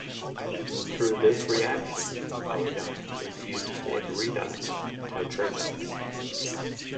Through this reaction, iodine is used in redox titrations.